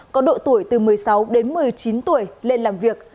có độ tuổi từ một mươi sáu đến một mươi chín tuổi lên làm việc